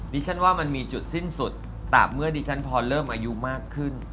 ฉันว่ามันมีจุดสิ้นสุดแต่เมื่อดิฉันพอเริ่มอายุมากขึ้น